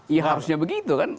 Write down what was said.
ya harusnya begitu kan